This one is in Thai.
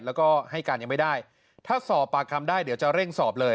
แล้วก็ให้การยังไม่ได้ถ้าสอบปากคำได้เดี๋ยวจะเร่งสอบเลย